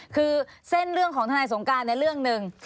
คือเส้นเรื่องของทนายสงการเรื่องหนึ่ง